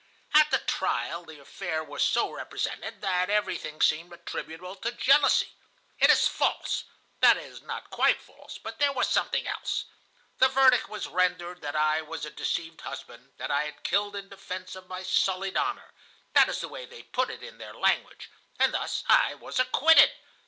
"At the trial the affair was so represented that everything seemed attributable to jealousy. It is false,—that is, not quite false, but there was something else. The verdict was rendered that I was a deceived husband, that I had killed in defence of my sullied honor (that is the way they put it in their language), and thus I was acquitted.